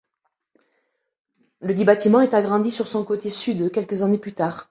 Ledit bâtiment est agrandi sur son côté sud quelques années plus tard.